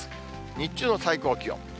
日中の最高気温。